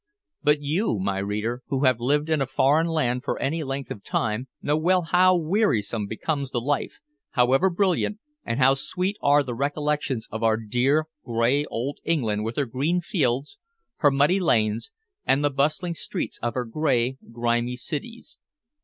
But you, my reader, who have lived in a foreign land for any length of time, know well how wearisome becomes the life, however brilliant, and how sweet are the recollections of our dear gray old England with her green fields, her muddy lanes, and the bustling streets of her gray, grimy cities.